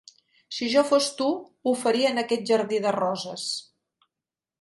Si jo fos tu, ho faria en aquest jardí de roses.